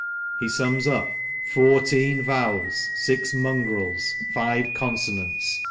He sums up :" Four teen vowels ! six mongrels ! five consonants